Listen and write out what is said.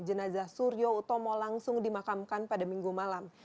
jenazah suryo utomo langsung dimakamkan pada minggu malam